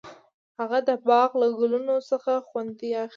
هغه د باغ له ګلونو څخه خوند اخیست.